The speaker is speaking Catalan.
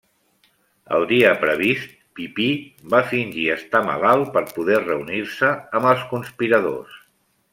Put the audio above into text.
El dia previst, Pipí va fingir estar malalt per poder reunir-se amb els conspiradors.